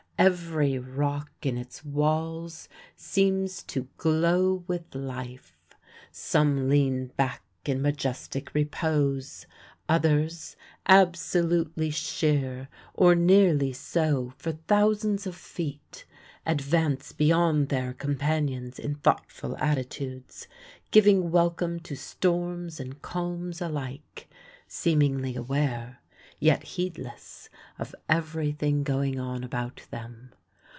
Every rock in its walls seems to glow with life. Some lean back in majestic repose; others, absolutely sheer or nearly so for thousands of feet, advance beyond their companions in thoughtful attitudes, giving welcome to storms and calms alike, seemingly aware, yet heedless, of everything going on about them.